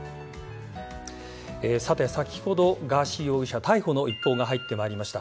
先ほどガーシー容疑者逮捕の一報が入ってまいりました。